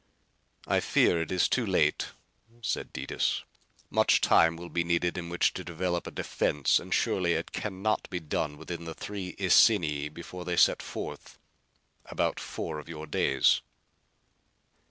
"I fear it is too late," said Detis. "Much time will be needed in which to develop a defense and surely it can not be done within the three isini before they set forth about four of your days."